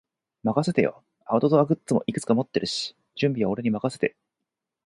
任せてよ。アウトドアグッズもいくつか持ってるし、準備は俺に任せて。